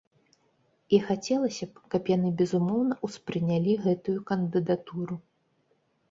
І хацелася б, каб яны безумоўна ўспрынялі гэтую кандыдатуру.